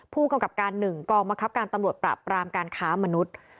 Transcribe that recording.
ผู้กำกับการหนึ่งกองมะครับการตำรวจประปรามการค้ามนุษย์